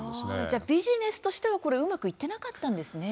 じゃあ、ビジネスとしてはうまくいってなかったんですね。